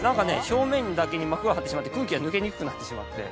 表面だけに膜が張ってしまって空気が抜けにくくなってしまって。